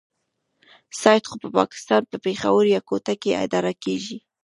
سایټ خو په پاکستان په پېښور يا کوټه کې اداره کېږي.